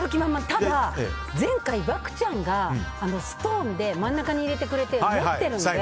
ただ、前回は漠ちゃんがストーンで真ん中に入れてくれて持っているので。